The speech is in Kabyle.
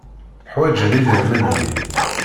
Ḥwajen idrimen-nni.